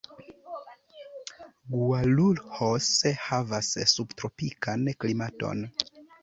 Guarulhos havas subtropikan klimaton.